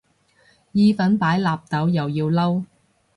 意粉擺納豆又要嬲